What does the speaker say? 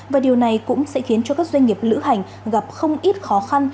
và điều này cũng sẽ khiến cho các doanh nghiệp lữ hành gặp không ít khó khăn